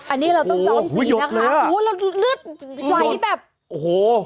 อันนี้เราต้องย้อมสีนะคะโอ้โหแล้วเลือดไหลแบบโอ้โห